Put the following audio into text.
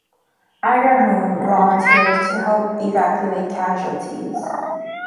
Agerholm volunteered to help evacuate casualties.